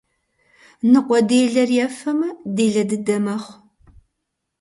Ныкъуэделэр ефэмэ, делэ дыдэ мэхъу.